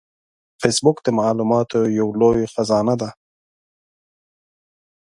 فېسبوک د معلوماتو یو لوی خزانه ده